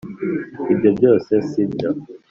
Ibyo Byose Si Byo